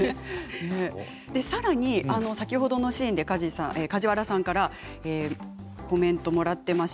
さらに先ほどのシーンで梶原さんからコメントをもらっています。